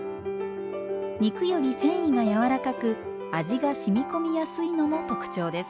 肉より繊維がやわらかく味がしみ込みやすいのも特徴です。